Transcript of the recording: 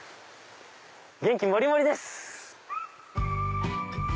元気もりもりです！